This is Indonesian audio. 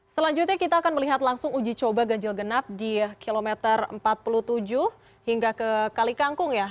selanjutnya kita akan melihat langsung uji coba ganjil genap di kilometer empat puluh tujuh hingga ke kali kangkung ya